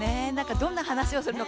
どんな話をするのか